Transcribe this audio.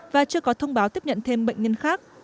và chưa có thông báo tiếp nhận thêm bệnh nhân khác